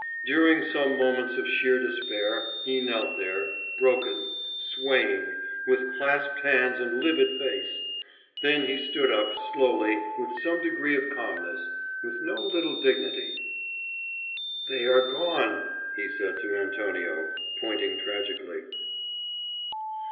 During some moments of sheer despair he knelt there, broken, swaying, with clasped hands and livid face. Then he stood up slowly, with some degree of calmness, with no little dignity. "They are gone," he said to Antonio, pointing tragically.